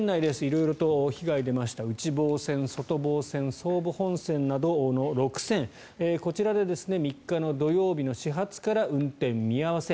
色々と被害出ました内房線、外房線、総武本線などの６線こちらで３日の土曜日の始発から運転見合わせ。